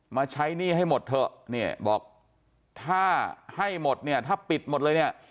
มาใช้หนี้ให้หมดเถอะเนี่ยบอกถ้าให้หมดเนี่ยถ้าปิดหมดเลยเนี่ย